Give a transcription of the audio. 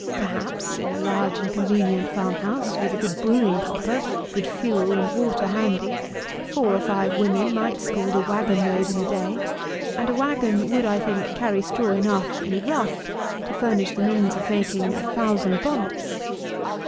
Perhaps, in a large and convenient farm house, with a good brewing copper, good fuel and water handy, four or five women might scald a wagon load in a day; and a wagon would, I think, carry straw enough (in the rough) to furnish the means of making a thousand bonnets.